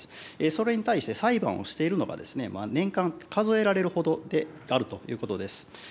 それに対して、裁判をしているのが、年間数えられるほどであるということです。